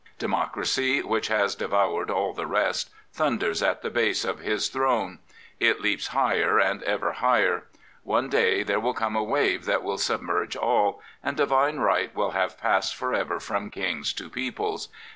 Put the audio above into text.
Democracy, which has devoured all the rest, thunders at the base of his throne. It leaps higher and ever higher. One day there will come a wave that will submerge all, and " divine right " will f have passed for ever from Kings to peoples.